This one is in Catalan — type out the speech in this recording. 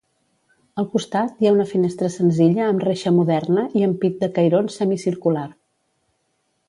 Al costat hi ha una finestra senzilla amb reixa moderna i ampit de cairons semicircular.